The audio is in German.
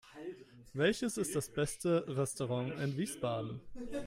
Welches ist das beste Restaurant in Wiesbaden?